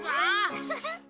ウフフ。